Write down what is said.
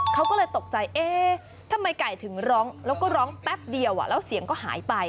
เขาก็เลยตกใจเอ๊ะทำไมไก่ถึงร้องแล้วก็ร้องแป๊บเดียวแล้วเสียงก็หายไป